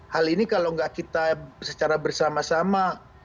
hal ini kalau nggak kita secara bersama sama